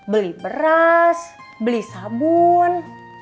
beli beras beli sabun